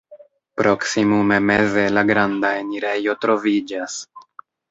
Proksimume meze la granda enirejo troviĝas.